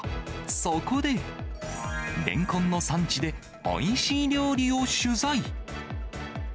そこで、レンコンの産地で、おいしい料理を取材。